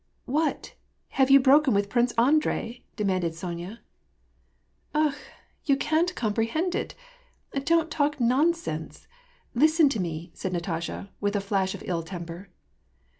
" What, have you broken with Prince Andrei ?" demanded Sonya. ''Akh! you can't comprehend it; don't talk nonsense. Listen to me," said Natasha, with a flash of ill temper.